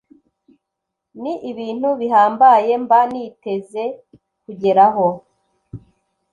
ni ibintu bihambaye mba niteze kugeraho